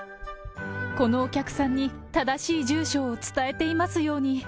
このお客さんに正しい住所を伝えていますように。